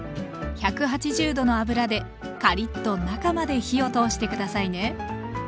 １８０℃の油でカリッと中まで火を通して下さいね。